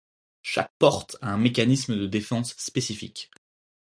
Chaque porte a un mécanisme de défense spécifique.